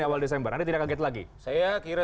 awal desember anda tidak kaget lagi saya kira